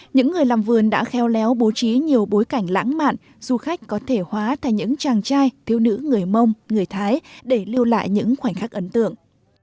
những người làm vườn đã kheo léo bố trí nhiều bối cảnh lãng mạn du khách có thể hóa thành những chàng trai thiếu nữ người mông người thái để lưu lại những khoảnh khắc ấn tượng